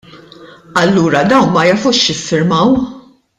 Allura dawn ma jafux x'iffirmaw!